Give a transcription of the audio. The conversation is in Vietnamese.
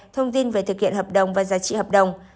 thông tin về thực hiện hợp đồng và giá trị hợp đồng